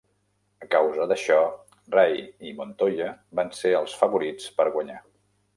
A causa d'això, Ray i Montoya van ser els favorits per guanyar.